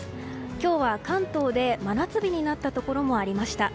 今日は関東で真夏日になったところもありました。